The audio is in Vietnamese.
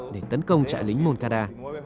để tấn công trại lính moncada